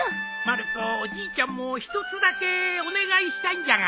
まる子おじいちゃんも一つだけお願いしたいんじゃが。